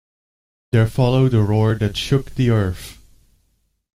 There followed a roar that shook the earth.